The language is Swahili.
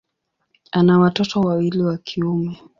Ana watoto wawili wa kiume.